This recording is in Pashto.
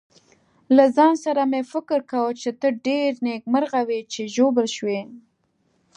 له ځان سره مې فکر کاوه چې ته ډېر نېکمرغه وې چې ژوبل شوې.